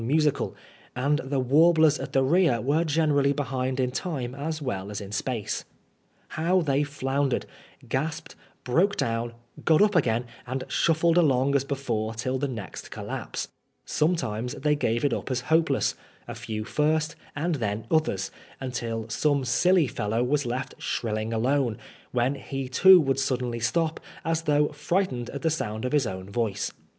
musical, and the warblers at the rear were generally behind in time as well as in space. How they floundered, gaspedy broke down, got up again, and shuffled along as before till the next collapse I Sometimes tliey gave it up as hopeless, a few first, and then others, until some silly fellow was left shrilling alone, when he too would suddenly stop, as though frightened at the sound of his own voice.